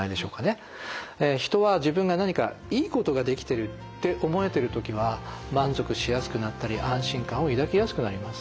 人は自分が何かいいことができてるって思えてる時は満足しやすくなったり安心感を抱きやすくなります。